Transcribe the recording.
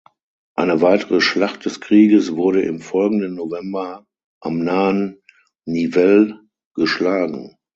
Eine weitere Schlacht des Krieges wurde im folgenden November am nahen Nivelle geschlagen.